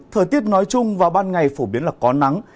thời tiết nói chung và ban ngày phổ biến là có nắng